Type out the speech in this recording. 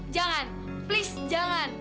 jangan please jangan